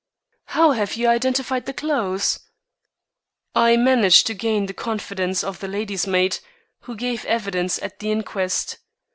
"How have you identified the clothes?" "I managed to gain the confidence of the lady's maid, who gave evidence at the inquest.